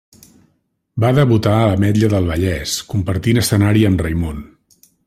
Va debutar a l'Ametlla del Vallès compartint escenari amb Raimon.